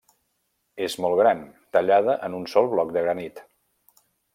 És molt gran, tallada en un sol bloc de granit.